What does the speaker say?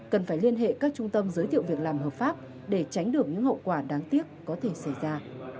cần phải liên hệ các trung tâm giới thiệu việc làm hợp pháp để tránh được những hậu quả đáng tiếc có thể xảy ra